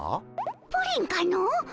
プリンかの！